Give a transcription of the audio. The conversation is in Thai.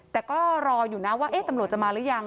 แต่ก็รออยู่นะว่าตำรวจจะมาหรือยัง